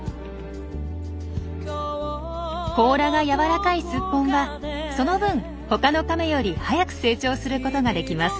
甲羅が柔らかいスッポンはその分他のカメより早く成長することができます。